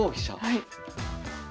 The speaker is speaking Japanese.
はい。